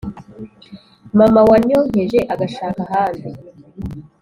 mama wanyonkeje agashaka ahandi